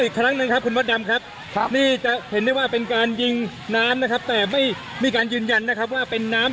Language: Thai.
ทางกลุ่มมวลชนทะลุฟ้าทางกลุ่มมวลชนทะลุฟ้า